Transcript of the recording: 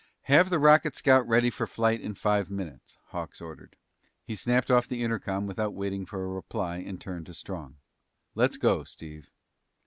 "Have the rocket scout ready for flight in five minutes," Hawks ordered. He snapped off the intercom without waiting for a reply and turned to Strong. "Let's go, Steve."